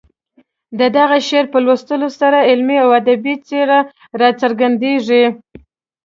د دغه شعر په لوستلو سره علمي او ادبي څېره راڅرګندېږي.